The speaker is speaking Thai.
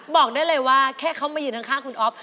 บอกได้เลยว่าแค่เขามายืนข้างคุณอ๊อฟ